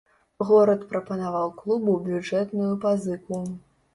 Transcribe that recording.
Горад прапанаваў клубу бюджэтную пазыку.